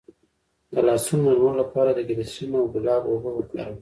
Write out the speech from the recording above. د لاسونو نرمولو لپاره د ګلسرین او ګلاب اوبه وکاروئ